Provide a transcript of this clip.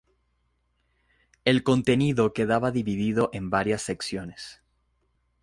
El contenido quedaba dividido en varias secciones.